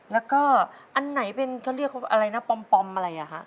แล้วก็อันไหนเป็นเขาเรียกว่าอะไรนะปอมอะไรอ่ะฮะ